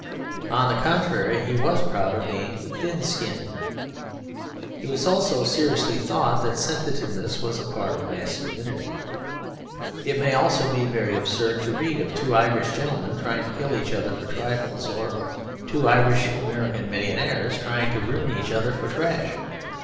On the contrary, he was proud of being thin skinned. He also seriously thought that sensitiveness was a part of masculinity. It may be very absurd to read of two Irish gentlemen trying to kill each other for trifles, or of two Irish American millionaires trying to ruin each other for trash.